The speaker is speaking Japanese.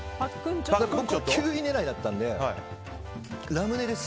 僕は９位狙いだったのでラムネです。